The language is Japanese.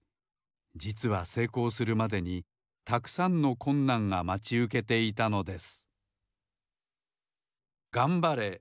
じつはせいこうするまでにたくさんのこんなんがまちうけていたのです